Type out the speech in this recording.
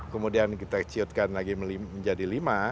kemudian kita ciutkan lagi menjadi lima